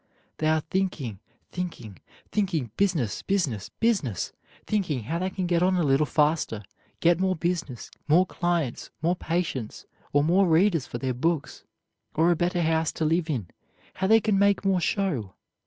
They are thinking, thinking, thinking business, business, business; thinking how they can get on a little faster get more business, more clients, more patients, or more readers for their books or a better house to live in; how they can make more show.